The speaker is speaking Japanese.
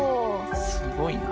すごいな。